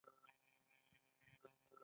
د کولونوسکوپي لوی کولمه ګوري.